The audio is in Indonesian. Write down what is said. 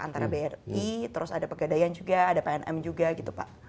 antara bri terus ada pegadaian juga ada pnm juga gitu pak